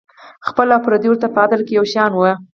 خپل او پردي ورته په عدل کې یو شان وو.